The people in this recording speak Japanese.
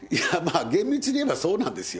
厳密に言えばそうなんですよ。